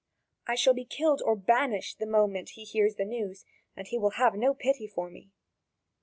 I shall be killed or banished the moment he hears the news, and he will have no pity for me."